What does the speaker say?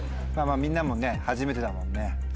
みんなも初めてだもんね。